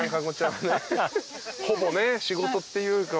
ほぼね仕事っていうか。